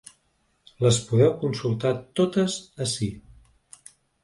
Les podeu consultar totes ací.